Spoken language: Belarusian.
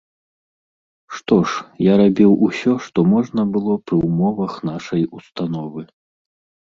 Што ж, я рабіў усё, што можна было пры ўмовах нашай установы.